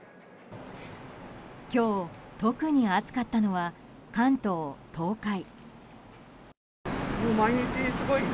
今日、特に暑かったのは関東・東海。